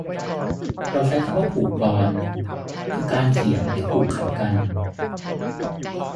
เราใช้คำว่าผูกกลอน คือการเขียนให้ผูกขัดกัน